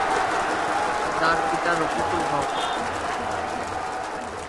তার পিতা রফিকুল হক।